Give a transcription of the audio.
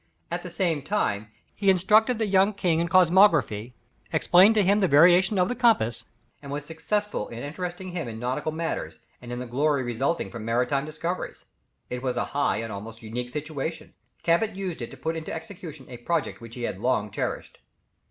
At the same time he instructed the young king in cosmography, explained to him the variation of the compass, and was successful in interesting him in nautical matters, and in the glory resulting from maritime discoveries. It was a high and almost unique situation. Cabot used it to put into execution a project which he had long cherished.